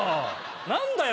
何だよ